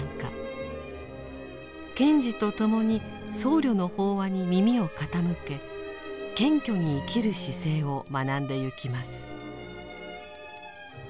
賢治と共に僧侶の法話に耳を傾け謙虚に生きる姿勢を学んでゆきます。